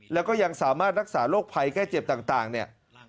แล้วก็ยังสามารถรักษาโรคภัยไข้เจ็บต่างเนี่ย